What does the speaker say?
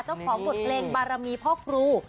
เจ้าของกฎเกรงบารมีพ่อกรู